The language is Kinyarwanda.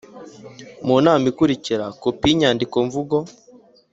mu nama ikurikira Kopi y inyandikomvugo